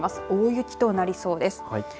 大雪となりそうです。